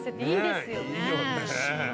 いいよね。